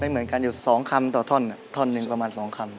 เหมือนกันอยู่๒คำต่อท่อนท่อนหนึ่งประมาณ๒คำ